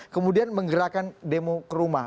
kemudian menggerakkan demo ke rumah